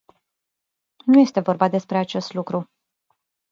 Nu este vorba despre acest lucru.